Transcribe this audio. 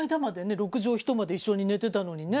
六畳一間で一緒に寝てたのにね。